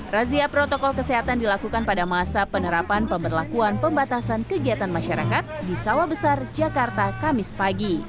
razia protokol kesehatan dilakukan pada masa penerapan pemberlakuan pembatasan kegiatan masyarakat di sawah besar jakarta kamis pagi